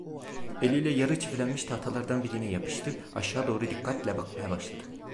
Eliyle yarı çivilenmiş tahtalardan birine yapıştı, aşağıya doğru dikkatle bakmaya başladı.